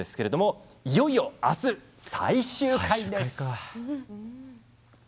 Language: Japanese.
いよいよ明日、最終回です。